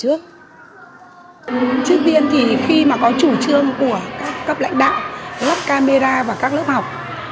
trước tiên thì khi mà có chủ trương của các cấp lãnh đạo lắp camera vào các lớp học